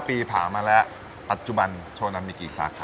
ปีผ่ามาแล้วปัจจุบันโชนันมีกี่สาขา